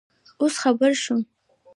اوس خبر شوم